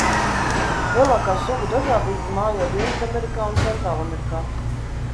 Lielākā sugu dažādība mājo Dienvidamerikā un Centrālamerikā.